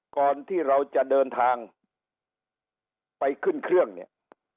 ก่อนที่เราจะเดินทางไปขึ้นเครื่องเนี่ย